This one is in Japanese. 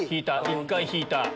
１回引いた。